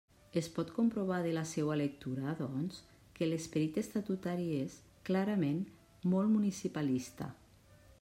Es pot comprovar de la seua lectura, doncs, que l'esperit estatutari és, clarament, molt municipalista.